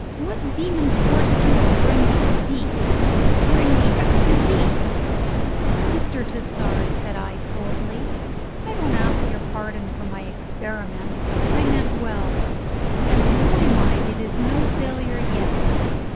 What demon forced you to bring me to this to bring me back to this?" "Mr. Tassard," said I coldly, "I don't ask your pardon for my experiment; I meant well, and to my mind it is no failure yet.